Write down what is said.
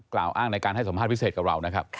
กล่าวอ้างในการให้สัมภาษณ์พิเศษกับเรานะครับ